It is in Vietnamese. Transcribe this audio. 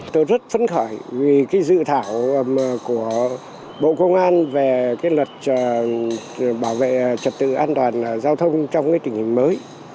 tôi rất phấn khởi vì cái dự thảo của bộ công an về luật bảo vệ trật tự an toàn giao thông trong tình hình mới